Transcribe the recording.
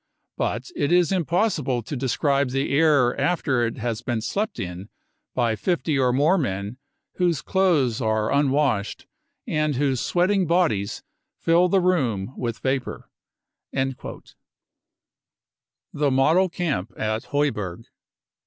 But it is impossible to describe the air after it has been slept in by 50 or more men whose clothes are unwashed and whose sweating bodies fill the room with vapour." The Model Camp at Heuberg.